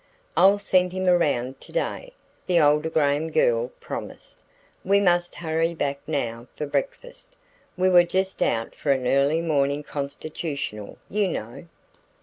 "I'll send him around today," the older Graham girl promised. "We must hurry back now for breakfast. We were just out for an early morning constitutional, you know."